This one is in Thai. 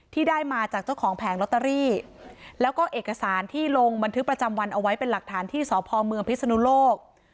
ที่ได้มาจากเจ้าของแผงลอตเตอรี่แล้วก็เอกสารที่ลงบันทึกประจำวันเอาไว้เป็นหลักฐานที่สพเมืองพิศนุโลก